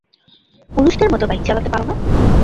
পুরুষদের মতো বাইক চালাতে পারো না?